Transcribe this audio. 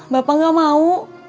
bapak gak mau